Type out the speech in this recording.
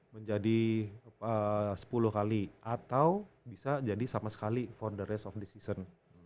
menjadi sepuluh kali atau bisa jadi sama sekali for the rest of the season